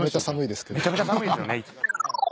めちゃめちゃ寒いですよね。